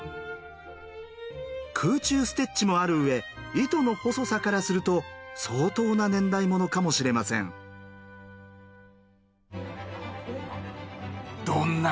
空中ステッチもある上糸の細さからすると相当な年代物かもしれません。